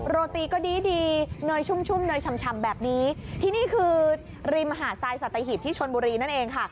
โรตีก็ดีดีเนยชุ่มชุ่มเนยชำแบบนี้ที่นี่คือริมหาดทรายสัตหีบที่ชนบุรีนั่นเองค่ะ